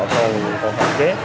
còn phản chế